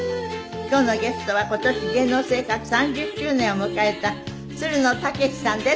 今日のゲストは今年芸能生活３０周年を迎えたつるの剛士さんです。